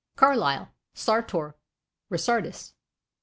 Carlyle: "Sartor Resartus."